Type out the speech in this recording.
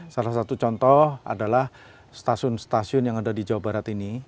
salah satu contoh adalah stasiun stasiun yang ada di jawa barat ini